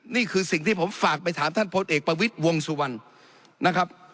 นี่คือสิ่งที่ผมฝากไปถามท่านพลเอกประวิทย์วงสุวรรณนะครับ